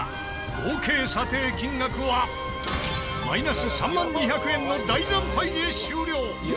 合計査定金額はマイナス３万２００円の大惨敗で終了。